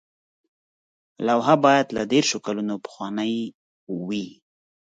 لوحه باید له دیرشو کلونو پخوانۍ وي.